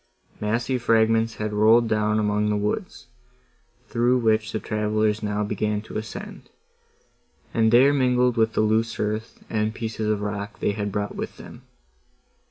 Massy fragments had rolled down among the woods, through which the travellers now began to ascend, and there mingled with the loose earth, and pieces of rock they had brought with them.